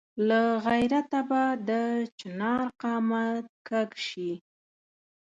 له غیرته به د چنار قامت کږ شي.